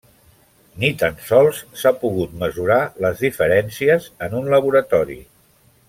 Ni tan sols s'ha pogut mesurar les diferències en un laboratori.